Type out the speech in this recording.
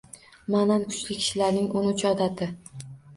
Ma'nan kuchli kishilarning o'n uch odati